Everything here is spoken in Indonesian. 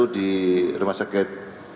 di rumah sakit